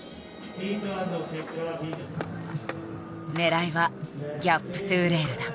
狙いは「ギャップｔｏレール」だ。